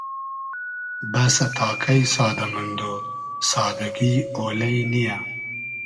بئسۂ تا کݷ سادۂ مئندۉ ، سادگی اۉلݷ نییۂ